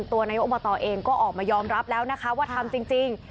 นายกอบตเองก็ออกมายอมรับแล้วนะคะว่าทำจริง